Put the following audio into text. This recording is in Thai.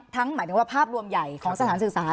หมายถึงว่าภาพรวมใหญ่ของสถานศึกษา